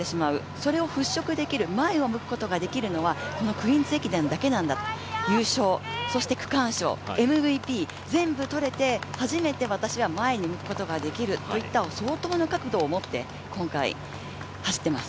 それを払拭できる、前を向くことができるのはこのクイーンズ駅伝だけなんだと、優勝、そして区間賞、ＭＶＰ全部とれて、初めて私は前を向くことができるという相当の覚悟を持って今回、走っています。